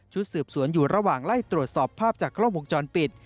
สืบสวนอยู่ระหว่างไล่ตรวจสอบภาพจากกล้องวงจรปิด